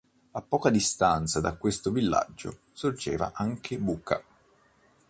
A poca distanza da questo villaggio sorgeva anche Buca.